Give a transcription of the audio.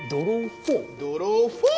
ドローフォー！